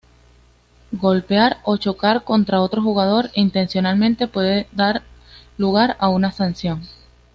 Golpear o chocar contra otro jugador intencionadamente puede dar lugar a una sanción.